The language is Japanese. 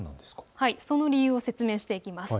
その理由を説明していきます。